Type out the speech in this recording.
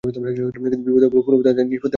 বিবাদও ভুল, ফুলও তাই, নিষ্পত্তিও মিথ্যা?